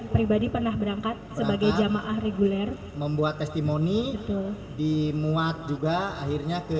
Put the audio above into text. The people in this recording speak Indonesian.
pribadi pernah berangkat sebagai jamaah reguler membuat testimoni dimuat juga akhirnya ke